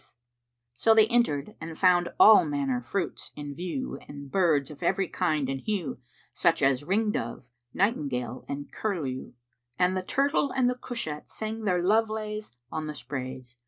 "[FN#383] So they entered and found all manner fruits in view and birds of every kind and hue, such as ringdove, nightingale and curlew; and the turtle and the cushat sang their love lays on the sprays.